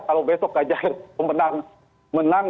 kalau besok ganjar menang